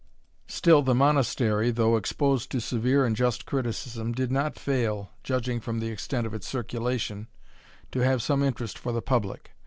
Still the Monastery, though exposed to severe and just criticism, did not fail, judging from the extent of its circulation, to have some interest for the public.